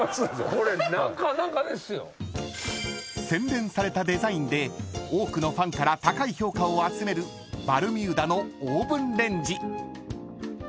［洗練されたデザインで多くのファンから高い評価を集めるＢＡＬＭＵＤＡのオーブンレンジ］